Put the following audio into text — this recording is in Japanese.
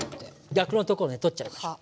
ガクのところね取っちゃいましょう。